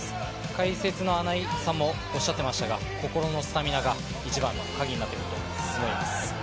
解説の穴井さんもおっしゃってましたが、心のスタミナが一番カギになってくると思います。